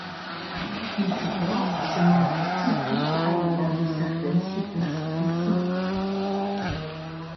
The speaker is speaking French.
Isidore se montre critique à l'égard de certaines superstitions.